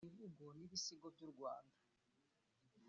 imivugo n’ibisigo by’u Rwanda